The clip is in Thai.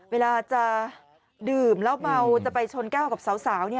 เวลาจะดื่มแล้วเมาจะไปชนแก้วกับสาว